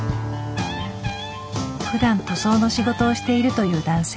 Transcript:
ふだん塗装の仕事をしているという男性。